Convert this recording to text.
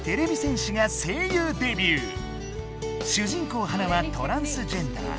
こうハナはトランスジェンダー。